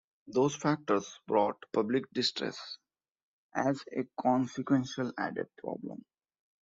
Those factors brought public distrust as a consequential added problem.